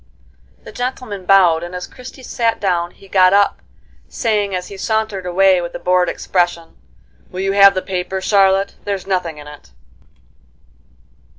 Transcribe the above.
The gentleman bowed, and as Christie sat down he got up, saying, as he sauntered away with a bored expression: "Will you have the paper, Charlotte? There's nothing in it."